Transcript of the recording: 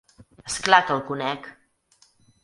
És clar que el conec!